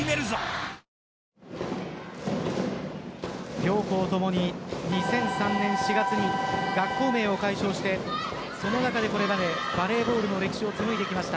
両校ともに２００３年４月に学校名を改称してその中でこれまでバレーボールの歴史を紡いできました。